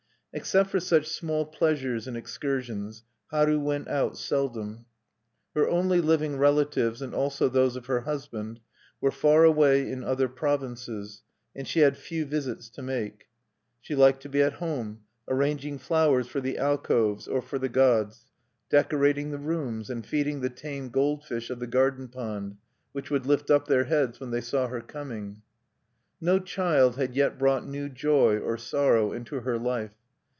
Except for such small pleasures and excursions, Haru went out seldom. Her only living relatives, and also those of her husband, were far away in other provinces, and she had few visits to make. She liked to be at home, arranging flowers for the alcoves or for the gods, decorating the rooms, and feeding the tame gold fish of the garden pond, which would lift up their heads when they saw her coming. No child had yet brought new joy or sorrow into her life.